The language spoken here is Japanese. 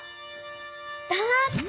だって！